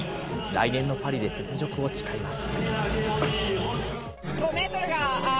来年のパリで雪辱を誓います。